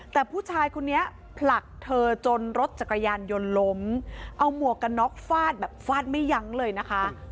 แต่ผู้ชายคนนี้ผลักเธอจนรถจักรยานยนต์ล้มเอาหมวกกันน็อกฟาดแบบฟาดไม่ยั้งเลยนะคะ